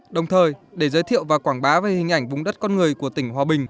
đồng thời để giới thiệu và quảng bá về hình ảnh vùng đất con người của tỉnh hòa bình